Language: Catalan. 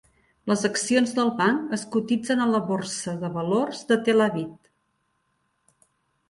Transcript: Les accions del banc es cotitzen a la Borsa de Valors de Tel Aviv.